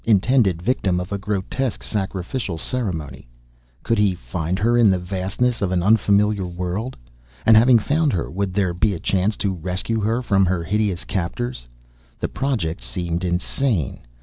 Intended victim of a grotesque sacrificial ceremony! Could he find her, in the vastness of an unfamiliar world? And having found her, would there be a chance to rescue her from her hideous captors? The project seemed insane.